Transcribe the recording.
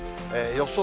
予想